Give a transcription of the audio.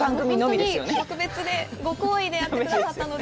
本当に特別にご厚意でやってくださったので。